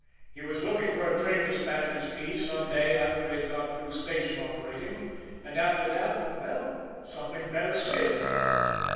He was looking for a train despatcher's key some day after he had got through station operating, and after that well, something better still.